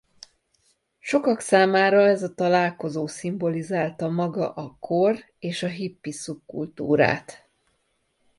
Sokak számára ez a találkozó szimbolizálta maga a kor és a hippi szubkultúrát.